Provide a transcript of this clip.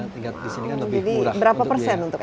tingkat di sini kan lebih murah jadi berapa persen untuk